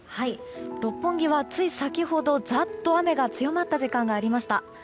六本木はつい先ほどざっと雨が強まった時間がありました。